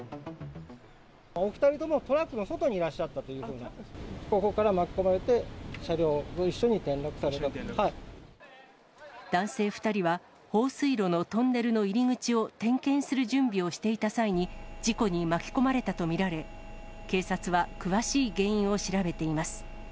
お２人ともトラックの外にいらっしゃったということで、後方から巻き込まれて、車両と一男性２人は、放水路のトンネルの入り口を点検する準備をしていた際に、事故に巻き込まれたと見られ、警察は詳しい原因を調べています。